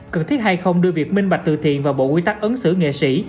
cần thiết hay không đưa việc minh bạch từ thiện vào bộ quy tắc ứng xử nghệ sĩ